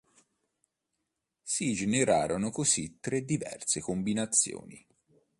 Si generarono così tre diverse combinazioni.